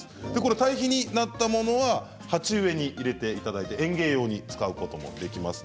堆肥になったものは鉢植えに入れていただいて園芸用に使うこともできます。